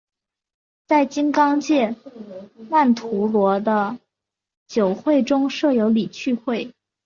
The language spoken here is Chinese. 在金刚界曼荼罗的九会中设有理趣会。